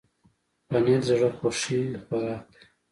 پنېر د زړه خوښي خوراک دی.